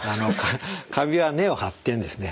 カビは根を張ってんですね。